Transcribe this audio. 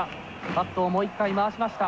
バットをもう一回回しました。